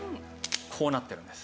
こうなってるんです。